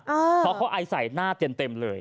เพราะเขาไอใส่หน้าเต็มเลย